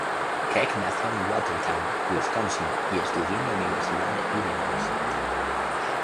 Keck nació en Watertown, Wisconsin y estudió en la Universidad de Illinois.